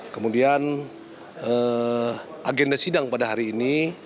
kemudian agenda sidang pada hari ini